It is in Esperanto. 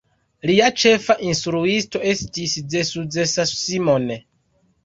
Lia ĉefa instruisto estis Zsuzsa Simon.